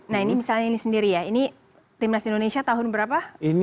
nah ini misalnya ini sendiri ya ini timnas indonesia tahun berapa